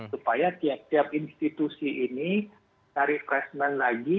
supaya setiap institusi ini tarik resmen lagi